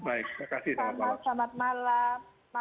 baik terima kasih selamat malam